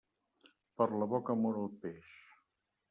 Per la boca mor el peix.